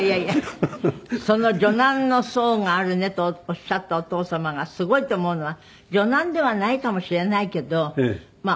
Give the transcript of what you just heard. その「女難の相があるね」とおっしゃったお父様がすごいと思うのは女難ではないかもしれないけどま